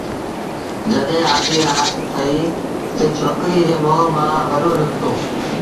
جڏهيݩ آڌيٚ رآت ٿئيٚ تا ڇوڪريٚ ري مݩهݩ مآݩ وڏو نکتو